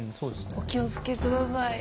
お気をつけ下さい。